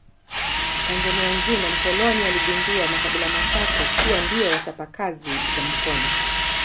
Tanzania nzima mkoloni aligundua makabila maatatu kuwa ndio wachapa kazi za mikono